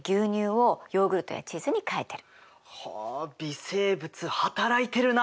はあ微生物働いてるな。